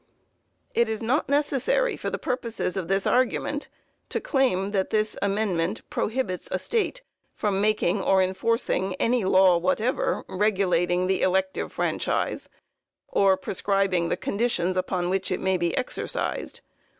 It is not necessary for the purposes of this argument to claim that this amendment prohibits a state from making or enforcing any law whatever, regulating the elective franchise, or prescribing the conditions upon which it may be exercised.